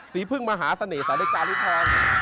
สีพึ่งมหาเสน่ห์สาวเล็กจาริทัล